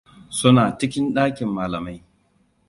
Suna cikin ɗakin malamai.